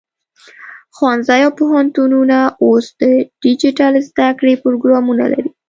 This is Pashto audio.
ښوونځي او پوهنتونونه اوس د ډیجیټل زده کړې پروګرامونه لري.